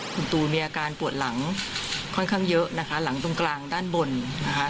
คุณตูมีอาการปวดหลังค่อนข้างเยอะนะคะหลังตรงกลางด้านบนนะคะ